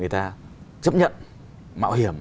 và chấp nhận mạo hiểm